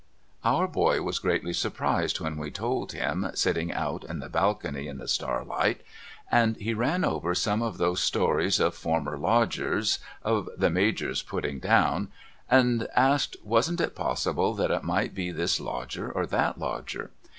Our boy was greatly surprised when we told him sitting out in the balcony in the starlight, and he ran over some of those stories of former Lodgers, of the Major's putting down, and asked wasn't it possible that it might be this lodger or that lodger.